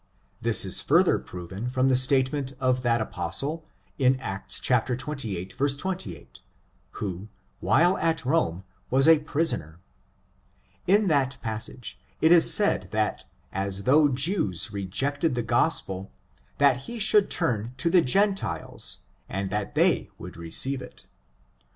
This is further proven from the statement of that apostle, m Acts xxviii, 28, who, while at Rome, was a prisoner. In that passage it is said that as the Jews rejected the gospel, that he should turn to the gen tiles, and that they would receive it.